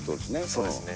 そうですね。